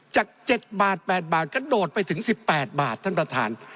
จาก๗บาท๘บาทกระโดดไปถึง๑๘บาทท่านประธาน